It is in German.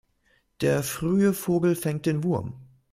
Der frühe Vogel fängt den Wurm.